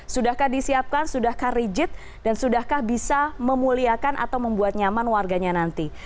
sudahkah disiapkan sudahkah rigid dan sudahkah bisa memuliakan atau membuat nyaman warganya nanti